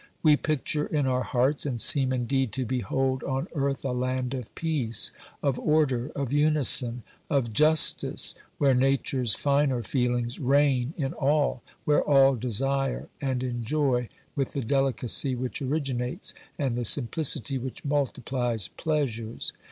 We picture in our hearts and seem indeed to behold on earth a land of peace, of order, of unison, of 92 OBERMANN justice, where Nature's finer feelings reign in all, where all desire and enjoy with the delicacy which originates, and the simplicity which multiplies pleasures.